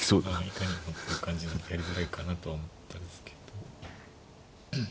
いかにもっていう感じでやりづらいかなとは思ったですけど。